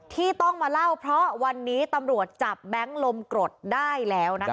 ที่ต้องมาเล่าเพราะวันนี้ตำรวจจับแบงค์ลมกรดได้แล้วนะคะ